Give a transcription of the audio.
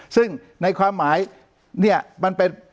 ซึ่งในความหมายเนี่ยมันเป็น